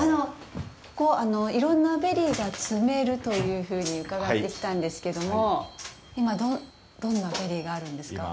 ここ、いろんなベリーが摘めるというふうに伺って来たんですけども今、どんなベリーがあるんですか。